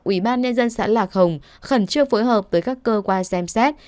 ủy ban nhân dân xã lạc hồng khẩn trương phối hợp với các cơ quan xem xét